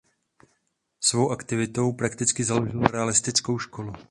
Svou aktivitou prakticky založil realistickou školu.